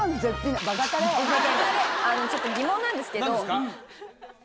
ちょっと疑問なんですけど。